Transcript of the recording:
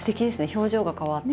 表情が変わって。